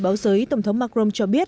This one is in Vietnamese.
báo giới tổng thống macron cho biết